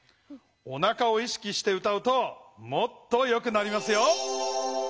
おなかを意識して歌うともっとよくなりますよ。